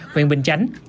huyện bình chánh